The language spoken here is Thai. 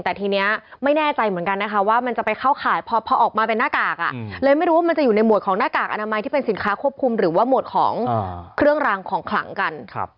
แต่ทีนี้ไม่แน่ใจเหมือนกันนะคะว่ามันจะไปเข้าข่ายพอออกมาเป็นหน้ากากเลยไม่รู้ว่ามันจะอยู่ในหวดของหน้ากากอนามัยที่เป็นสินค้าควบคุมหรือว่าหมวดของเครื่องรางของขลังกัน